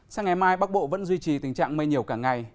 sáng ngày mai bắc bộ vẫn duy trì tình trạng mây nhiều cả ngày